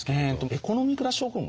エコノミークラス症候群